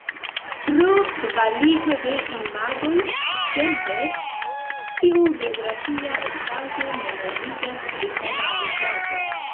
Pro kvalito de imagoj ĉi-tempe, tiu geografia estaĵo memorigas pri homa vizaĝo.